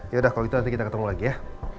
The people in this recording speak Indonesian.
yaudah kalau gitu nanti kita ketemu lagi ya